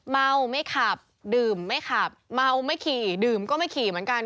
เมาไม่ขับดื่มไม่ขับเมาไม่ขี่ดื่มก็ไม่ขี่เหมือนกัน